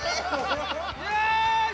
よし！